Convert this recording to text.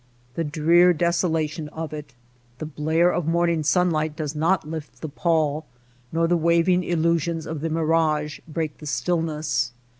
The drear desolation of it ! The blare of morning sunlight does not lift the pall, nor the waving illusions of the mirage break the stillness.